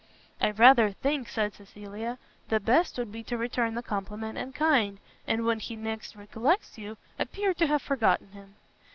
"I rather think," said Cecilia, "the best would be to return the compliment in kind, and when he next recollects you, appear to have forgotten him."